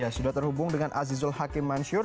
sudah terhubung dengan azizul hakim mansur